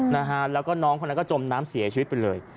นะฮะแล้วก็น้องคนนั้นก็จมน้ำเสียชีวิตไปเลย